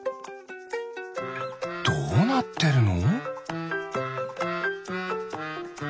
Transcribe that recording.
どうなってるの？